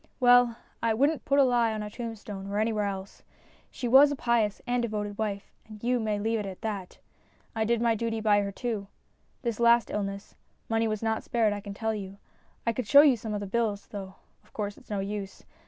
Well, I wouldn't put a lie on a tomb stone or anywhere else. She was a pious and devoted wife, and you may leave it at that. I did my duty by her too. This last illness, money was not spared I can tell you. I could show you the bills, though of course it's no use.